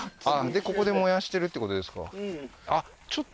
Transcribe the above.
でここで燃やしてるってことですか？